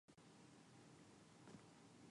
あなたの血の色は何色ですか